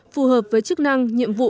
phù hợp với chức năng nhiệm vụ